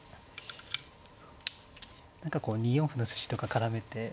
何かこう２四歩の筋とか絡めて。